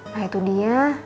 nah itu dia